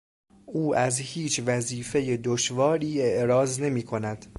او از هیچ وظیفهٔ دشواری اعراض نمیکند.